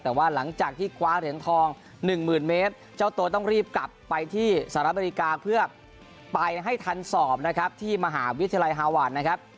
แต่ว่าหลังจากที่คว้าเหรียญทอง๑๐๐๐เมตรเจ้าตัวต้องรีบกลับไปที่สหรัฐอเมริกาเพื่อไปให้ทันสอบนะครับที่มหาวิทยาลัยฮาวานนะครับ